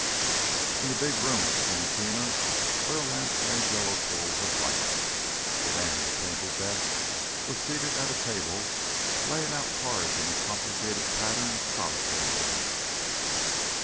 In the big room of the cantina oil lamps made yellow pools of light. The man in the painted vest was seated at a table laying out cards in a complicated pattern of a solitaire game.